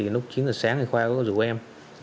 lúc chín giờ sáng khoa có rủ em